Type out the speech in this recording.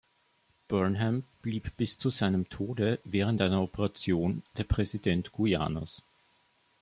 Burnham blieb bis zu seinem Tode während einer Operation der Präsident Guyanas.